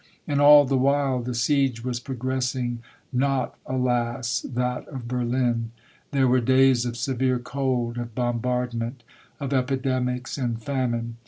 " And all the while the siege was progressing, not, The Siege of Berlin, 49 alas ! that of Berlin. There were days of severe cold, of bombardment, of epidemics and famine.